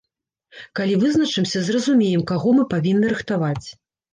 Калі вызначымся, зразумеем, каго мы павінны рыхтаваць.